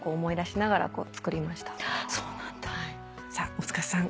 大塚さん。